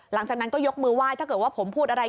หลังจากนั้นก็ยกมือไหว้ถ้าเกิดว่าผมพูดอะไร